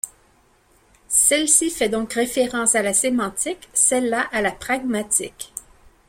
Celle-ci fait donc référence à la sémantique, celle-là à la pragmatique.